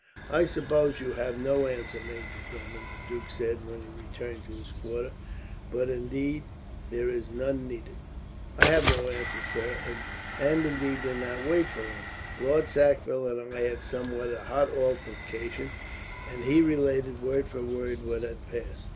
"I suppose you have no answer, Major Drummond," the duke said, when he returned to his quarters; "but indeed, there is none needed." "I have no answer, sir, and indeed did not wait for one. Lord Sackville and I had a somewhat hot altercation;" and he related, word for word, what had passed.